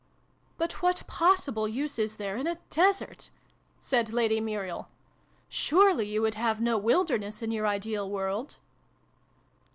" But what possible use is there in a desert? 1 said Lady Muriel. " Surely you would have no wilderness in your ideal world